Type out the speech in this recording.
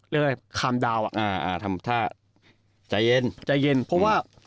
เรียกอะไรคามดาวอ่ะอ่าอ่าทำท่าใจเย็นใจเย็นเพราะว่า